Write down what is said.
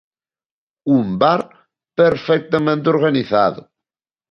Un bar perfectamente organizado...